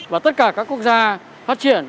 và tất cả các quốc gia phát triển